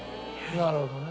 なるほどね。